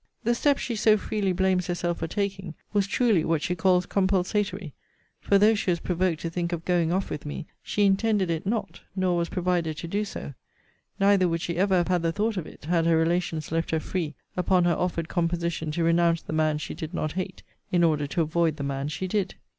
'The step she so freely blames herself for taking, was truly what she calls compulsatory: for though she was provoked to think of going off with me, she intended it not, nor was provided to do so: neither would she ever have had the thought of it, had her relations left her free, upon her offered composition to renounce the man she did not hate, in order to avoid the man she did.